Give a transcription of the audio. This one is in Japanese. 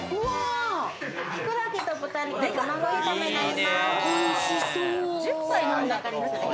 きくらげと豚肉の卵炒めになります。